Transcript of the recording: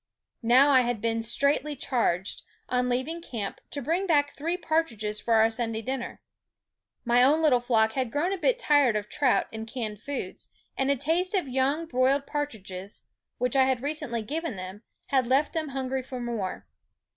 Now I had been straitly charged, on leav ing camp, to bring back three partridges for our Sunday dinner. My own little flock had grown a bit tired of trout and canned foods ; and a taste of young broiled partridges, which I had recently given them, had left them hungry for more.